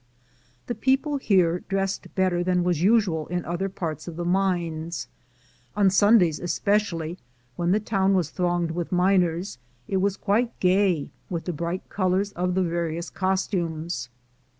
The people here dressed better than was usual in other parts of the mines. On Sundays especially, when the town was thronged with miners, it was quite gay with the bright colors of the various costumes.